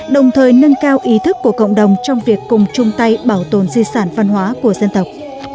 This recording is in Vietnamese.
đồng thời nâng cao ý thức của cộng đồng trong việc cùng chung tay bảo tồn di sản văn hóa của dân tộc